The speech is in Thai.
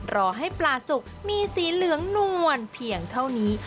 รอให้ปลาสุกมีสีเหลืองนวลเพียงเท่านี้